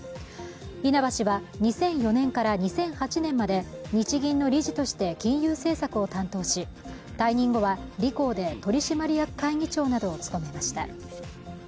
稲葉氏は、２００４年から２００８年まで日銀の理事として金融政策を担当し退任後はリコーで取締役会議長などを務めました。